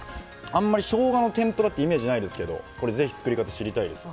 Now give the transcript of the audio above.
あんまりしょうがの天ぷらってイメージないですけどこれ是非作り方知りたいです。